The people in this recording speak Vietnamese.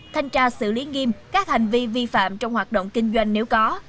thanh tra xử lý nghiêm các hành vi vi phạm trong hoạt động kinh doanh nếu có